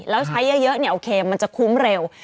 แล้วใช้เยอะเนี่ยโอเคมันจะคุ้มเร็ว